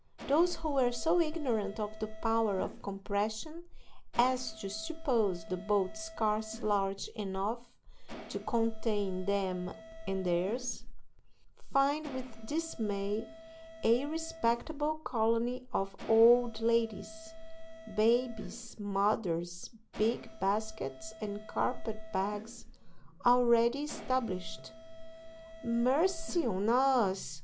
Those who were so ignorant of the power of compression as to suppose the boat scarce large enough to contain them and theirs, find, with dismay, a respectable colony of old ladies, babies, mothers, big baskets, and carpet bags already established. "Mercy on us!"